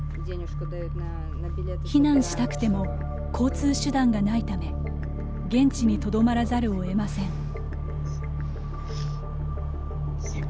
避難したくても交通手段がないため現地にとどまらざるをえません。